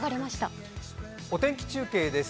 お天気中継です。